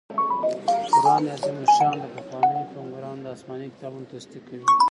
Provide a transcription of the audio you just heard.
قرآن عظيم الشان د پخوانيو پيغمبرانو د اسماني کتابونو تصديق کوي